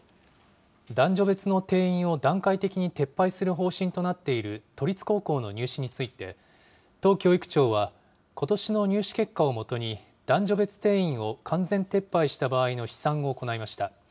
男女別の定員を段階的に撤廃する方針となっている都立高校の入試について、都教育庁は、ことしの入試結果を基に、男女別定員を完全撤廃した場合の試算を行いました。